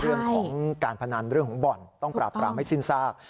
เรื่องของการพนันเรื่องของบ่อนต้องปราบปรามให้สิ้นซาก